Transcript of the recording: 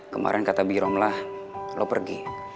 kemarin kata birom lah lo pergi